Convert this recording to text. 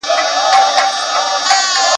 چي خبري د رڼا اوري ترهیږي !.